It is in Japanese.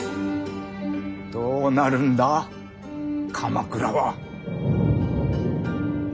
どうなるんだ鎌倉は。